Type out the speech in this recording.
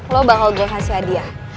lo bakal dikasih hadiah